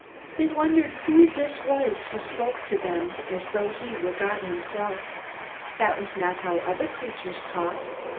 They wondered who this was who spoke to them as though he were God himself. That was not how other preachers taught.